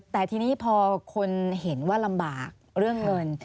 แต่ทีนี้พอคนเห็นว่าลำบากเรื่องเงิน